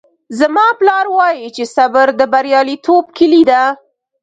زما پلار وایي چې صبر د بریالیتوب کیلي ده